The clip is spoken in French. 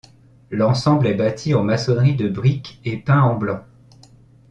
L'ensemble est bâti en maçonnerie de brique et peint en blanc.